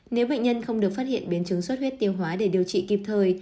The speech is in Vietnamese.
nếu bệnh nhân không được phát hiện biến chứng xuất huyết tiêu hóa để điều trị kịp thời